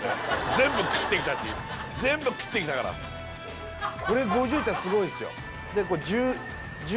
全部食ってきたし全部食ってきたからこれ５０いったらすごいっすよ